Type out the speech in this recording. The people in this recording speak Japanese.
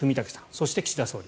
そして、岸田総理。